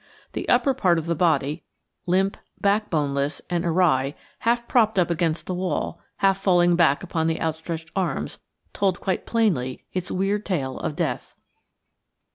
The upper part of the body, limp, backboneless, and awry, half propped up against the wall, half falling back upon the outstretched arms, told quite plainly its weird tale of death.